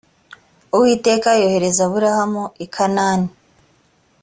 uwiteka yohereza aburamu i kanani